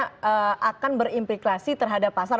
karena akan berimplikasi terhadap pasar